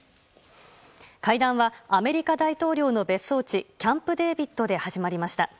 会談はアメリカ大統領の別荘地キャンプ・デービッドで始まりました。